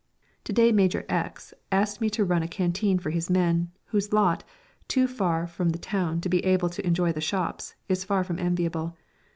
_" To day Major X asked me to run a canteen for his men, whose lot, too far from the town to be able to enjoy the shops, is far from enviable.